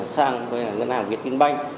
sang ngân hàng việt tinh banh